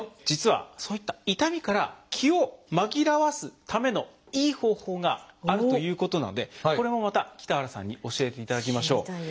実はそういった痛みから気を紛らわすためのいい方法があるということなのでこれもまた北原さんに教えていただきましょう。